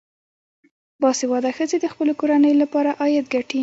باسواده ښځې د خپلو کورنیو لپاره عاید ګټي.